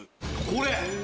これ！